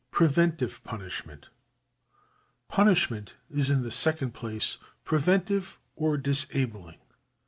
Preventive Punishment. Punishment is in the second place preventive or disabling.